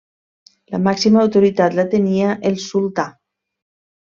La màxima autoritat la tenia el sultà.